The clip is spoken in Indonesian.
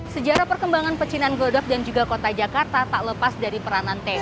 sejarah perkembangan percinan godop dan juga kota jakarta tak lepas dari peranan t